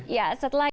ya terima kasih